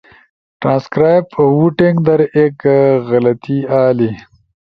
ٹرانسکرائب ووٹنگ در ایک غلطی آلی